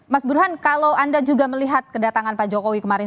mas burhan kalau anda juga melihat kedatangan pak jokowi kemarin